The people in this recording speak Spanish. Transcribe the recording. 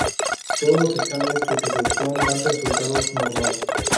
Todos los exámenes que se efectúan dan resultados normales.